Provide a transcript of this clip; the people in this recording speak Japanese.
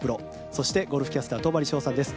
そして、ゴルフキャスター戸張捷さんです。